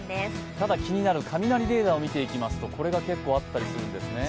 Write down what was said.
ただ，気になる雷レーダーを見ていきますとこれが結構あったりするんです。